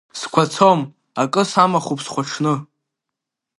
Сқәацом, акы самахуп схәаҽны.